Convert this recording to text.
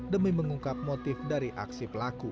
demi mengungkap motif dari aksi pelaku